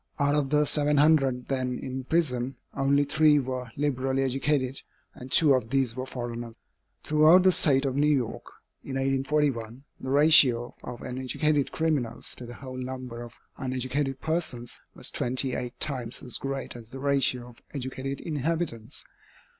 Out of the 700 then in prison, only three were liberally educated, and two of these were foreigners. Throughout the State of New York, in 1841, the ratio of uneducated criminals to the whole number of uneducated persons was twenty eight times as great as the ratio of educated inhabitants.